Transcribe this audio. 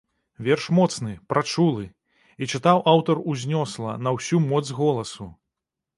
Верш моцны, прачулы, і чытаў аўтар узнёсла, на ўсю моц голасу.